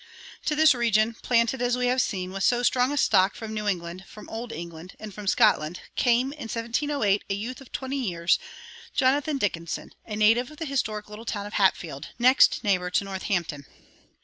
To this region, planted, as we have seen, with so strong a stock from New England, from old England, and from Scotland, came, in 1708, a youth of twenty years, Jonathan Dickinson, a native of the historic little town of Hatfield, next neighbor to Northampton.